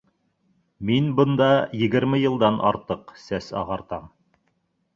Мин бында егерме йылдан артыҡ сәс ағартам.